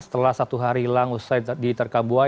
setelah satu hari hilang usai di terkabuai